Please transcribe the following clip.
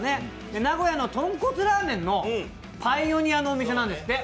名古屋のとんこつラーメンのパイオニアのお店なんですって。